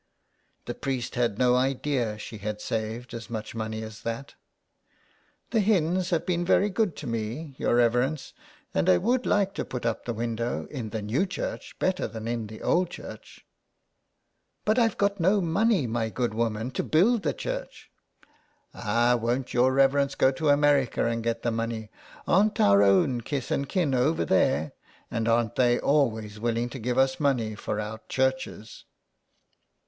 The priest had no idea she had saved as much money as that. "The hins have been very good to me, your reverence, and I would like to put up the window in the new church better than in the old church." " But I've got no money, my good woman, to build the church." " Ah, won't your reverence go to America and get the money. Aren't our own kith and kin over there, and aren't they always willing to give us money for our churches."